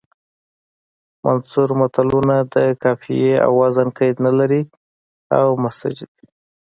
منثور متلونه د قافیې او وزن قید نه لري او مسجع دي